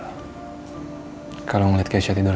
akhirnya gua berhasil bikin keisha tidur